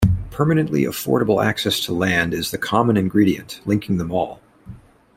Permanently affordable access to land is the common ingredient, linking them all.